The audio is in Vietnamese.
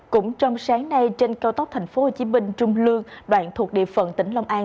cũng trong sáng nay trên cao tốc tp hcm trung lương đoạn thuộc địa phận tỉnh long an